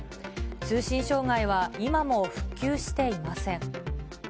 通信障害は今も復旧していません。